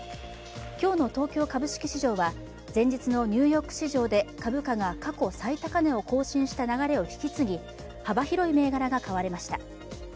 今日の東京株式市場は前日のニューヨーク市場で株価が過去最高値を更新した流れを引き継ぎ、幅広い銘柄が買われました。